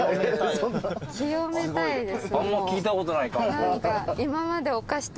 あんま聞いたことない。